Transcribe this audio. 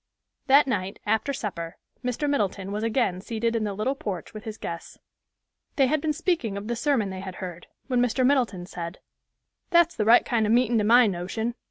That night, after supper, Mr. Middleton was again seated in the little porch with his guests. They had been speaking of the sermon they had heard, when Mr. Middleton said, "That's the right kind of meetin' to my notion.